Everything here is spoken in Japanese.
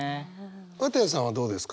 綿矢さんはどうですか？